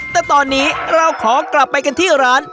แต่ตอนนี้เราขอกลับไปกันที่ร้าน